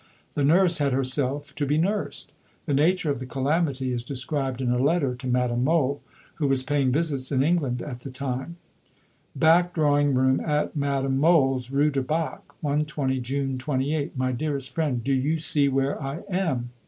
The nurse had herself to be nursed. The nature of the calamity is described in a letter to Madame Mohl, who was paying visits in England at the time: BACK DRAWING ROOM AT MADAME MOHL'S, RUE DU BAC 120, June 28. MY DEAREST FRIENT Do you see where I am?